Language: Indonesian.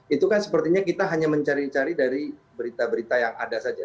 itu kan sepertinya kita hanya mencari cari dari berita berita yang ada saja